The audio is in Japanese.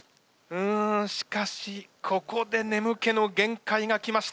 うんしかしここで眠気のげんかいが来ました。